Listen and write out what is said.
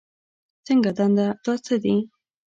څنګه دنده، دا څه دي؟